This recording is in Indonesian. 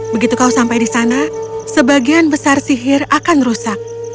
begitu kau sampai di sana sebagian besar sihir akan rusak